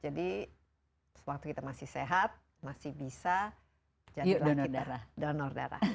jadi waktu kita masih sehat masih bisa jadi donordarah